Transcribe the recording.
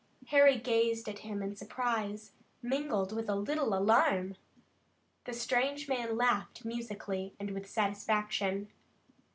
Harry gazed at him in surprise, mingled with a little alarm. The strange man laughed musically and with satisfaction.